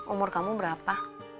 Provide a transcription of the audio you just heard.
umur kamu berapa